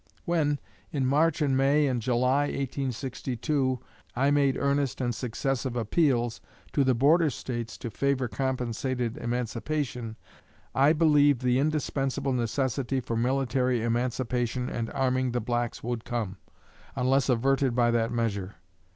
When, in March and May and July, 1862, I made earnest and successive appeals to the border States to favor compensated emancipation, I believed the indispensable necessity for military emancipation and arming the blacks would come, unless averted by that measure.